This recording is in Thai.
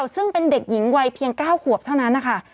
ซึ่งเป็นเด็กหญิงวัยเพียง๙ขวบเท่านั้นนะคะ